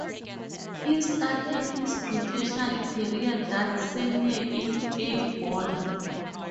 He started his professional career that same year in A-ball.